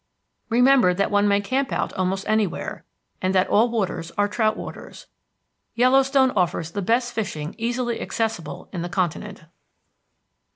Remember that one may camp out almost anywhere, and that all waters are trout waters. Yellowstone offers the best fishing easily accessible in the continent.